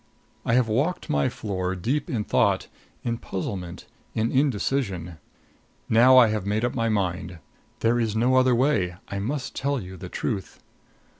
I have walked my floor, deep in thought, in puzzlement, in indecision. Now I have made up my mind. There is no other way I must tell you the truth.